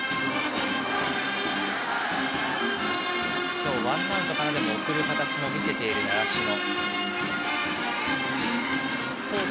今日ワンアウトからでも送る形を見せている習志野。